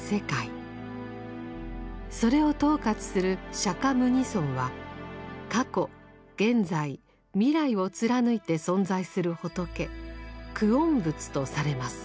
それを統括する釈牟尼尊は過去現在未来を貫いて存在する仏「久遠仏」とされます。